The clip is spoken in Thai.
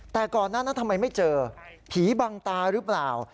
แต่ก่อนหน้านั้นทำไมไม่เจอผีบังตาหรือเปล่า